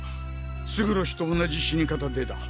勝呂氏と同じ死に方でだ。